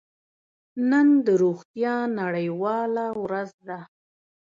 نن د روغتیا نړیواله ورځ ده.